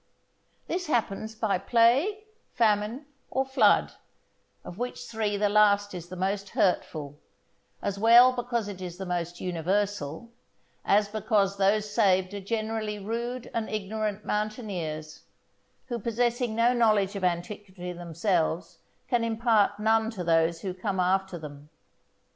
This happens by plague, famine, or flood, of which three the last is the most hurtful, as well because it is the most universal, as because those saved are generally rude and ignorant mountaineers, who possessing no knowledge of antiquity themselves, can impart none to those who come after them.